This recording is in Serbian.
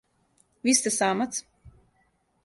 Ви сте самац?